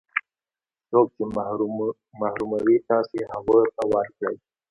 څوک چې محروموي تاسې هغو ته ورکړئ.